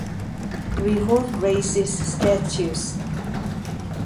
Remove Racist Statues.